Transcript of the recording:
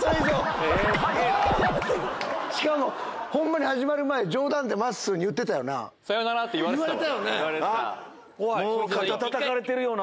しかも、ほんまに始まる前、冗談でまっすーに言ってたよな。